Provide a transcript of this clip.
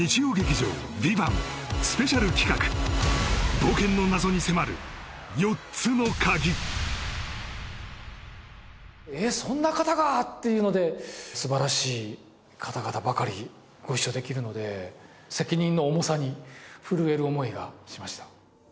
スペシャル企画えっそんな方がっていうのですばらしい方々ばかりご一緒できるので責任の重さに震える思いがしました